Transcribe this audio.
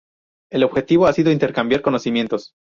El objetivo ha sido intercambiar conocimientos